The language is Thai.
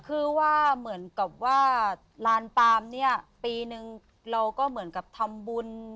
คือว่าเหมือนกับว่าลานปาล์มเนี่ยปีนึงเราก็เหมือนกับทำบุญ